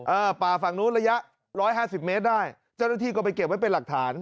ป่าฝั่งนู้นระยะร้อยห้าสิบเมตรได้เจ้าหน้าที่ก็ไปเก็บไว้เป็นหลักฐาน